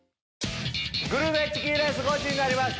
グルメチキンレースゴチになります！